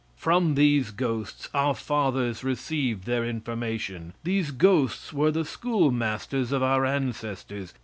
From these ghosts our fathers received their information. These ghosts were the schoolmasters of our ancestors.